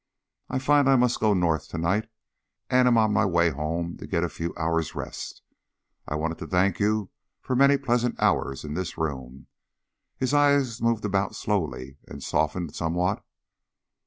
I find I must go North to night, and am on my way home to get a few hours' rest. I wanted to thank you for many pleasant hours in this room." His eyes moved about slowly and softened somewhat.